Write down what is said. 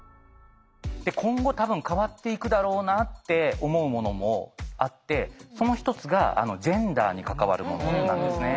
今後多分変わっていくだろうなって思うものもあってその一つがジェンダーに関わるものなんですね。